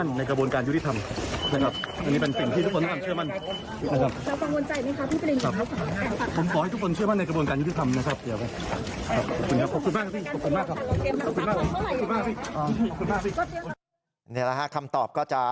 นี่แหละค่ะคำตอบก็จะ